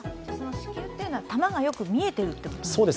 四球というのは球がよく見えているということですか？